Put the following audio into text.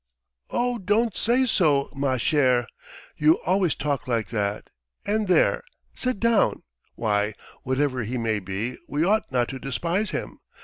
"Oh, don't say so, ma chère! You always talk like that; and there ... sit down! Why, whatever he may be, we ought not to despise him.